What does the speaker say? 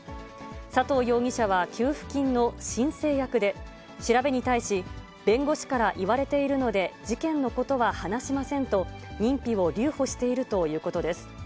佐藤容疑者は給付金の申請役で、調べに対し、弁護士から言われているので、事件のことは話しませんと、認否を留保しているということです。